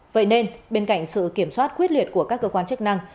vậy nên bên cạnh sự kiểm soát quyết liệt của các cơ quan chức năng